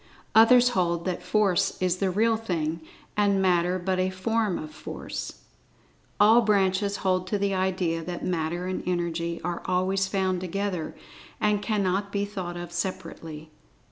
Others hold that Force is the "real thing" and Matter but a form of Force. All branches hold to the idea that Matter and Energy are always found together, and can not be thought of separately.